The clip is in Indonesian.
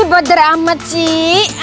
ini buat drama sih